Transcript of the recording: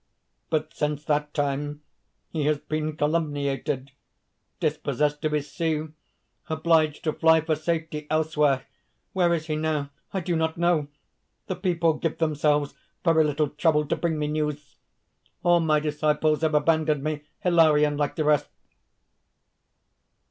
But since that time he has been calumniated, dispossessed of his see, obliged to fly for safety elsewhere. Where is he now? I do not know! The people give themselves very little trouble to bring me news. All my disciples have abandoned me Hilarion like the rest.